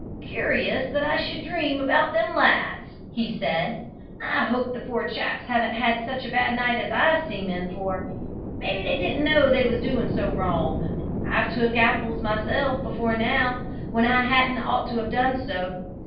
"Curious that I should dream about them lads," he said. "I hope the poor chaps haven't had such a bad night as I seem in for. Maybe they didn't know they was doing so wrong. I've took apples myself, before now, when I hadn't ought to have done so.